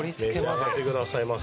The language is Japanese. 召し上がってくださいませ。